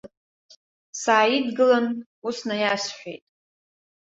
Сааидгылан, ус наиасҳәеит.